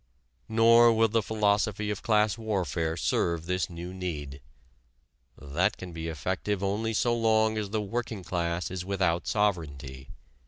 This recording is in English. Nor will the philosophy of class warfare serve this new need. That can be effective only so long as the working class is without sovereignty.